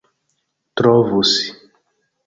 trovus